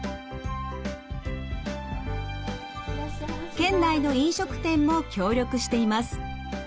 県内の飲食店も協力しています。